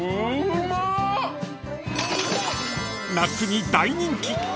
［夏に大人気］